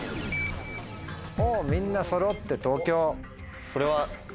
おみんなそろって「東京」。